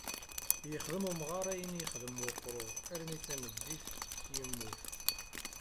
Yexdem umɣar ayen yexdem uqrur armi d tameddit, yemmut.